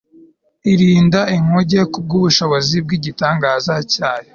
irinda inkuge kubwo ubushobozi bw'igitangaza cyayo